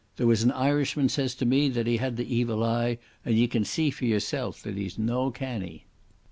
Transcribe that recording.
There was an Irishman says to me that he had the evil eye, and ye can see for yerself that he's no canny."